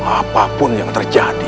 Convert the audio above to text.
apapun yang terjadi